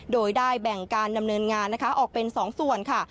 โดยได้แบ่งการดำเนินงานนะคะออกเป็น๒ส่วนค่ะ